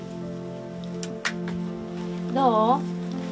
どう？